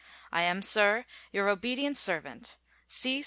I am, sir, your obedient servant, C.